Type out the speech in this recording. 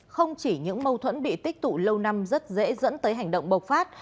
không chỉ những mâu thuẫn bị tích tụ lâu năm rất dễ dẫn tới hành động bộc phát